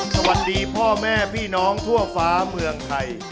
สวัสดีพ่อแม่พี่น้องทั่วฟ้าเมืองไทย